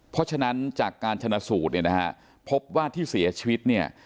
เพราะฉะนั้นจากการชนะสูตรเนี่ยนะฮะพบว่าที่เสียชีวิตเนี่ย